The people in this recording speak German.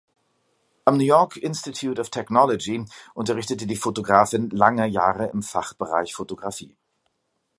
Am New York Institute of Technology unterrichtete die Fotografin lange Jahre im Fachbereich Fotografie.